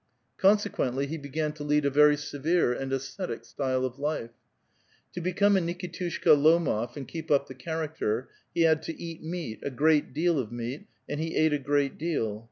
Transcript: Consequently, he began to lead a very severe and ascetic style of life. To become a NikiLushka Lomof, and keep up the character, he had to eat meat, a great deal of meat, an(i he ate a great deal.